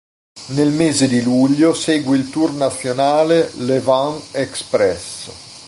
Nel mese di luglio segue il tour nazionale "Le vent express".